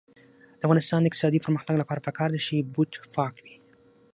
د افغانستان د اقتصادي پرمختګ لپاره پکار ده چې بوټ پاک وي.